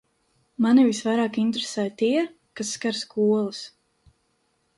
Mani visvairāk interesē tie, kas skar skolas.